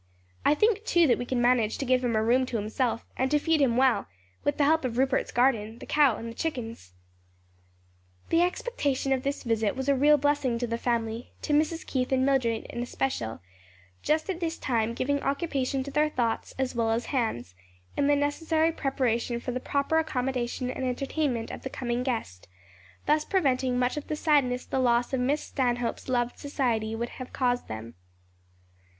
I think, too, that we can manage to give him a room to himself, and to feed him well, with the help of Rupert's garden, the cow and the chickens." The expectation of this visit was a real blessing to the family; to Mrs. Keith and Mildred in especial just at this time; giving occupation to their thoughts as well as hands, in the necessary preparation for the proper accommodation and entertainment of the coming guest; thus preventing much of the sadness the loss of Miss Stanhope's loved society would have caused them.